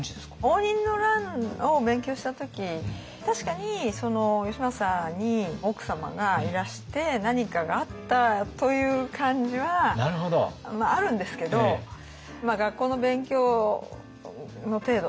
応仁の乱を勉強した時確かに義政に奥様がいらして何かがあったという感じはあるんですけど学校の勉強の程度というか。